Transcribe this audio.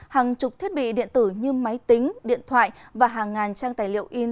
hàng chục thiết bị điện tử như máy tính điện thoại và hàng ngàn trang tài liệu in